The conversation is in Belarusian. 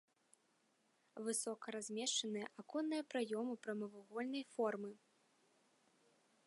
Высока размешчаныя аконныя праёмы прамавугольнай формы.